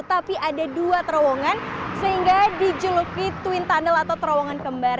tapi ada dua terowongan sehingga dijuluki twin tunnel atau terowongan kembar